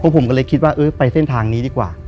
ผมก็เลยคิดว่าเออไปเส้นทางนี้ดีกว่า